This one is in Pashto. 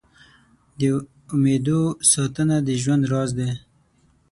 د امېدو ساتنه د ژوند راز دی.